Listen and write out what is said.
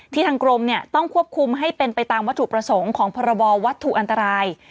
ทางกรมต้องควบคุมให้เป็นไปตามวัตถุประสงค์ของพรบวัตถุอันตราย